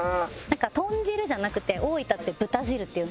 豚汁じゃなくて大分って豚汁って言うんです。